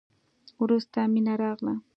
وروسته مينه راغله.